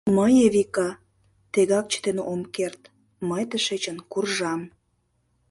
Мый, Эвика, тегак чытен ом керт, мый тышечын куржам.